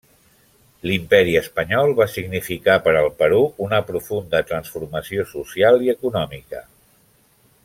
L'imperi espanyol va significar per al Perú una profunda transformació social i econòmica.